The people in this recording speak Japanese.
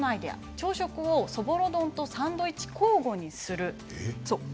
朝食をそぼろ丼とサンドイッチ交互にする。